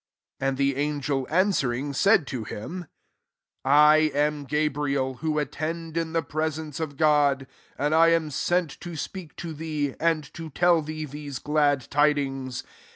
^ 19 And the angel an weringf said to fdm^ " lam Ga» riel^ who attend in the presence f Oods and I am sent to speak XieSf and to tell thee these glad dings.